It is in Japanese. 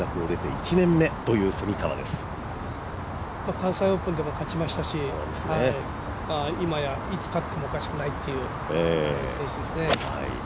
関西オープンでも勝ちましたし、いまやいつ勝ってもおかしくないという選手ですね。